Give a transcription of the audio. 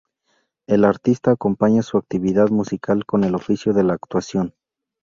El artista acompaña su actividad musical con el oficio de la actuación.